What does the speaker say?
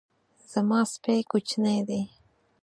زما سپی کوچنی دی